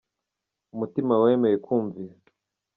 Umutima wemeye kumvira